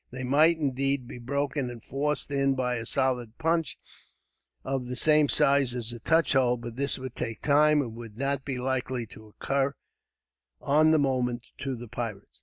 They might, indeed, be broken and forced in by a solid punch, of the same size as the touch hole; but this would take time, and would not be likely to occur, on the moment, to the pirates.